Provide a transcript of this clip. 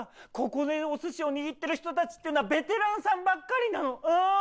ここでお寿司を握ってる人たちっていうのはベテランさんばっかりなのうん。